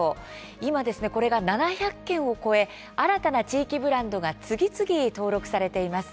今、これが７００件を超え新たな地域ブランドが次々、登録されています。